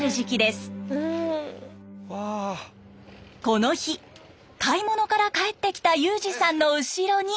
この日買い物から帰ってきた優兒さんの後ろに。